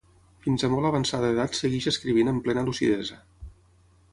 Fins a molt avançada edat segueix escrivint amb plena lucidesa.